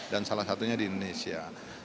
dan salah satunya di indonesia